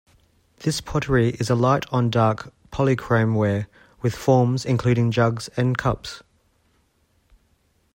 This pottery is a light-on-dark polychrome ware, with forms including jugs and cups.